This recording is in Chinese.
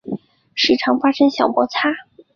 时常发生小摩擦